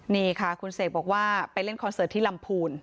นี่ค่ะคุณเสกบอกว่าไปเล่นคอนเสิร์ตที่ลำพูน